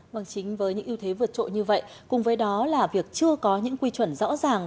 vâng chính với những ưu thế vượt trội như vậy cùng với đó là việc chưa có những quy chuẩn rõ ràng